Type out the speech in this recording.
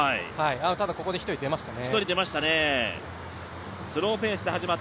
ただ、ここで１人出ましたね。